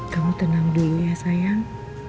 kamu tenang dulu ya sayang